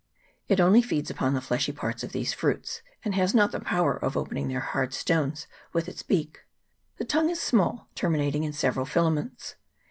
It only feeds upon the fleshy parts of these fruits, and has not the power of opening their hard stones with its beak. The tongue is small, termi nating in several filaments.